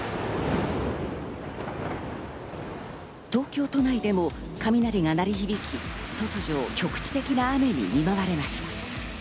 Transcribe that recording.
東京都内でも雷が鳴り響き、突如、局地的な雨に見舞われました。